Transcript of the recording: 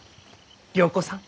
良子さん